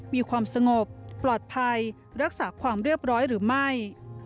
มีความสงบปลอดภัยรักษาความเรียบร้อยหรือไม่